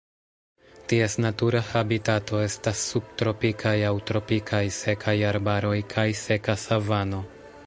Ties natura habitato estas subtropikaj aŭ tropikaj sekaj arbaroj kaj seka savano.